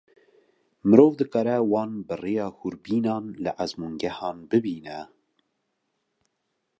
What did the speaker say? Mirov dikare wan bi rêya hûrbînan li ezmûngehan bibîne.